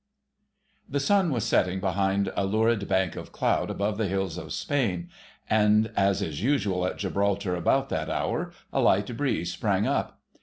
* The sun was setting behind a lurid bank of cloud above the hills of Spain, and, as is usual at Gibraltar about that hour, a light breeze sprang up.